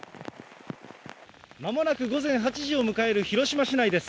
まもなく午前８時を迎える広島市内です。